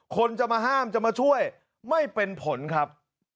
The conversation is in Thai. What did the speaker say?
คนจะมาห้ามจะมาช่วยไม่เป็นผลครับ